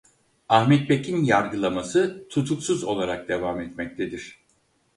Ahmet Pek'in yargılaması tutuksuz olarak devam etmektedir.